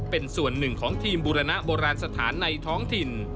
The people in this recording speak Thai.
เป็นส่วนหนึ่งของทีมบูรณะโบราณสถานในท้องถิ่น